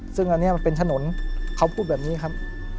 ซึ่งอันนี้มันเป็นถนนเขาพูดแบบนี้ครับ